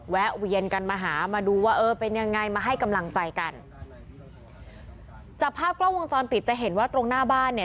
แวะเวียนกันมาหามาดูว่าเออเป็นยังไงมาให้กำลังใจกันจากภาพกล้องวงจรปิดจะเห็นว่าตรงหน้าบ้านเนี่ย